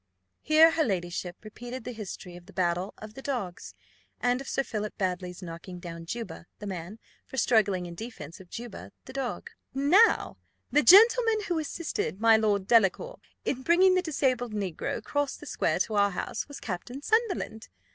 Here her ladyship repeated the history of the battle of the dogs; and of Sir Philip Baddely's knocking down Juba, the man, for struggling in defence of Juba, the dog. "Now the gentleman who assisted my Lord Delacour in bringing the disabled negro across the square to our house, was Captain Sunderland.